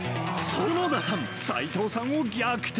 園田さん、齋藤さんを逆転。